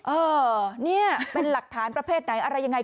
เออนี่เป็นหลักฐานประเภทไหนอะไรยังไง